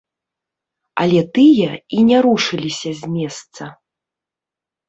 Але тыя і не рушыліся з месца.